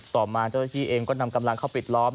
ต่อมาเจ้าหน้าที่เองก็นำกำลังเข้าปิดล้อม